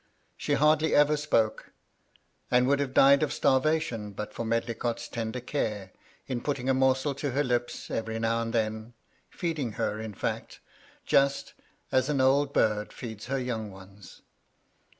She hardly ever spoke, and would have died of starvation but for Med licott's tender care, in putting a morsel to her lips every now and then, feeding her, in fact, just as an 198 MY LADY LUDLOW. old bird feeds her young ones.